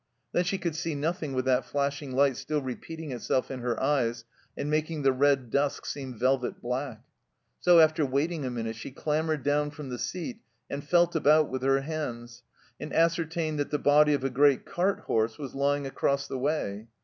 Then she could see nothing with that flashing light still repeating itself in her eyes and making the red dusk seem velvet black ; so, after waiting a minute, she clambered down from the seat and felt about with her hands, and ascertained that the body of a great cart horse was lying across the way.